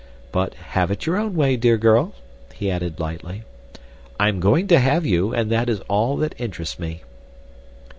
But have it your own way, dear girl," he added lightly. "I am going to have you, and that is all that interests me."